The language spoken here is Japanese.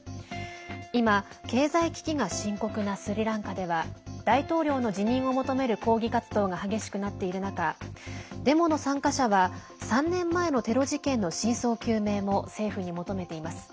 今、経済危機が深刻なスリランカでは大統領の辞任を求める抗議活動が激しくなっている中デモの参加者は３年前のテロ事件の真相究明も政府に求めています。